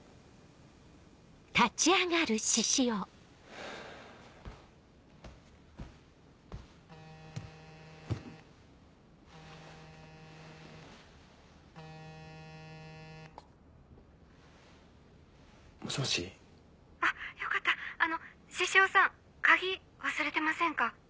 はぁ。もしもし？あっよかったあの獅子王さん鍵忘れてませんか？